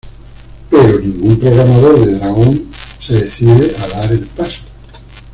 Pero ningún programador de Dragon se decide a dar el paso.